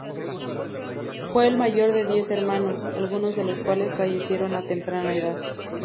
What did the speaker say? Fue el mayor de diez hermanos, algunos de los cuales fallecieron a temprana edad.